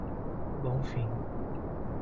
Bonfim